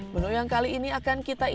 bener yang kali ini akan kita ikutkan